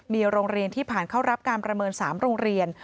มีโรงเรียนที่ผ่านเข้ารับการประเมิน๓โรงเรียน